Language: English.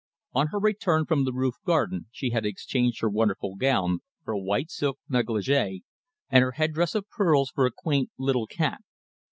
On her return from the roof garden she had exchanged her wonderful gown for a white silk negligee, and her headdress of pearls for a quaint little cap.